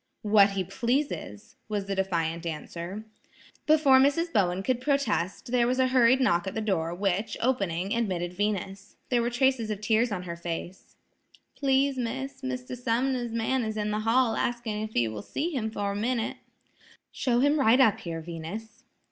"What he pleases," was the defiant answer. Before Mrs. Bowen could protest, there was a hurried knock at the door, which, opening, admitted Venus. There were traces of tears on her face. "Please, Miss, Mr. Sumner's man is in the hall asking if you will see him for a minute." "Show him right up here, Venus."